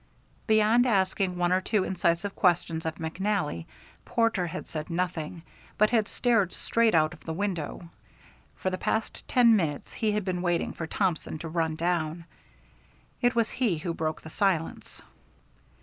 Beyond asking one or two incisive questions of McNally, Porter had said nothing, but had stared straight out of the window. For the past ten minutes he had been waiting for Thompson to run down. It was he who broke the silence.